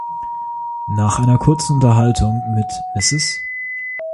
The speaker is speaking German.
Nach einer kurzen Unterhaltung mit Mrs.